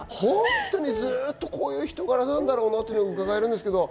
ずっとこういう人柄なんだろうなと伺えるんですけれども。